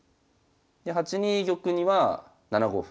で８二玉には７五歩。